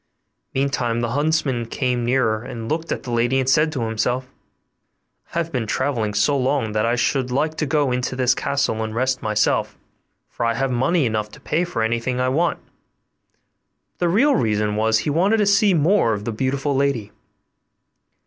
Meantime the huntsman came nearer and looked at the lady, and said to himself, 'I have been travelling so long that I should like to go into this castle and rest myself, for I have money enough to pay for anything I want'; but the real reason was, that he wanted to see more of the beautiful lady.